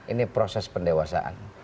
ini proses pendewasaan